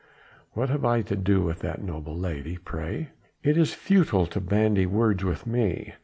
What have I to do with that noble lady, pray?" "It is futile to bandy words with me.